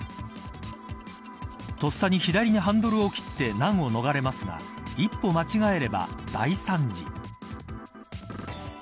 とっさに左にハンドルを切って難を逃れますが一歩間違えれば大惨事。